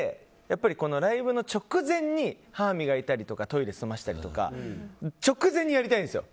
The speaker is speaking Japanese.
ライブの直前に歯を磨いたりとかトイレを済ませたりとか直前にやりたいんですよ。